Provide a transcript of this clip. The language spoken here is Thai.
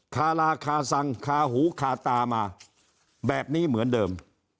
คาราคาซังคาหูคาตามาแบบนี้เหมือนเดิม